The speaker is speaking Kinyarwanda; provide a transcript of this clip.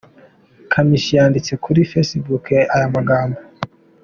Kamichi yanditse kuri facebook aya magambo.